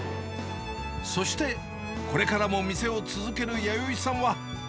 そして、これからも店を続けるやよいさんは。